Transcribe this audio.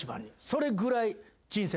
それぐらい。